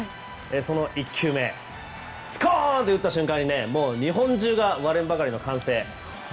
その１球目をスコーンと打った瞬間に日本中が割れんばかりの完成。